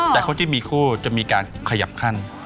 แต่คนที่มีคู่จะมีการขยับขั้น